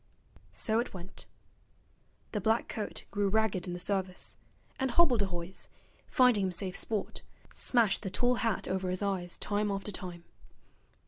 So it went. The black coat grew ragged in the service, and hobbledehoys, finding him safe sport, smashed the tall hat over his eyes time after time.